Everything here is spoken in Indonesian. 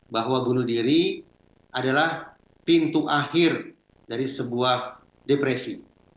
bahwa bunuh diri adalah pintu akhir dari sebuah depresi